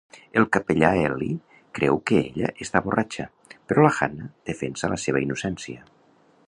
El capellà Eli creu que ella està borratxa, però la Hannah defensa la seva innocència.